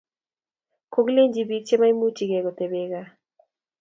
Kokilenjin bik chemaimuchikei kotebe gaa